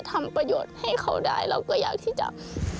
ทำเพื่อคนในบุบันชุมชน